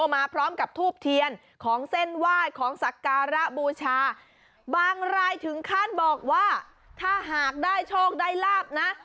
มาพร้อมกับทูบเทียนของเส้นไหว้ของสักการะบูชาบางรายถึงขั้นบอกว่าถ้าหากได้โชคได้ลาบนะ